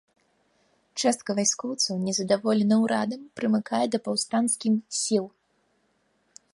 Частка вайскоўцаў незадаволена ўрадам прымыкае да паўстанцкім сіл.